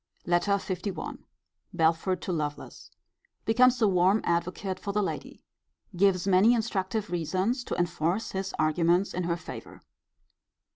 LETTER LI. Belford to Lovelace. Becomes a warm advocate for the lady. Gives many instructive reasons to enforce his arguments in her favour.